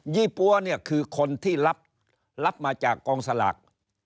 ี่ปั๊วเนี่ยคือคนที่รับมาจากกองสลาก